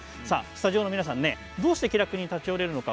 スタジオの皆さんどうして気楽に立ち寄れるのか。